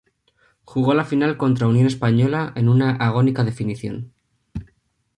Jugó la final contra Unión Española en una agónica definición.